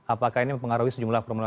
apakah ini mempengaruhi sejumlah